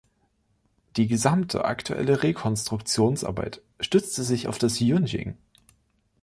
Die gesamte aktuelle Rekonstruktionsarbeit stützte sich auf das „Yunjing“.